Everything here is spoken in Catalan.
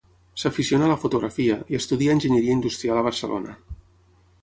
S'aficiona a la fotografia, i estudia Enginyeria Industrial a Barcelona.